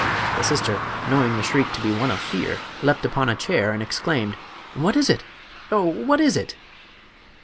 The sister, knowing the shriek to be one of fear, leaped upon a chair and exclaimed: "What is it? Oh! what is it?"